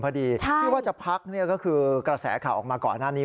ที่ว่าจะพักก็คือกระแสข่าวออกมาก่อนหน้านี้